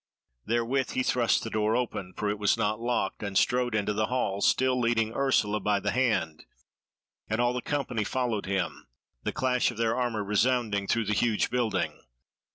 Therewith he thrust the door open, for it was not locked, and strode into the hall, still leading Ursula by the hand, and all the company followed him, the clash of their armour resounding through the huge building.